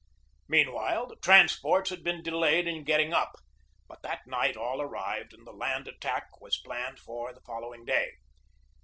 Meanwhile, the transports had been delayed in getting up. But that night all arrived and the land attack was planned for the following day.